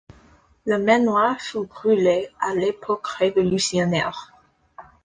Le manoir fut brûlé à l'époque révolutionnaire.